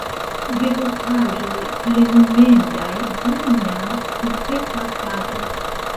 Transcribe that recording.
Devotaĵoj plenumendaj dum naŭ sinsekvaj tagoj.